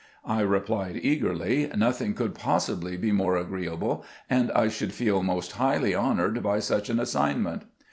I replied eagerly, " Nothing could possibly be more agreeable, and t should feel most highly honored by such an assignment."